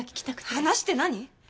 話って何？